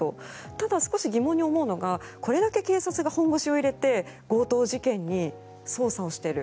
ただ、少し疑問に思うのがこれだけ警察が本腰を入れて強盗事件の捜査をしている。